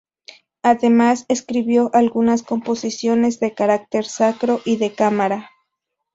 Además escribió algunas composiciones de carácter sacro y de cámara.